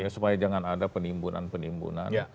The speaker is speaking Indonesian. supaya jangan ada penimbunan penimbunan